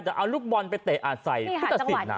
แต่เอาลูกบอนไปเตะอาจใส่ตัดสินน่ะ